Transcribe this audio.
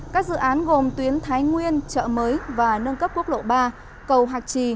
các dự án gồm tuyến thái nguyên chợ mới và nâng cấp quốc lộ ba cầu hạc trì